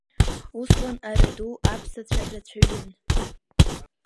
Усҟан Араду аԥсацәа рацәаҩын.